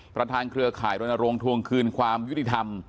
เครือข่ายรณรงค์ทวงคืนความยุติธรรม